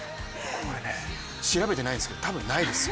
これね調べてないんですけど多分ないです。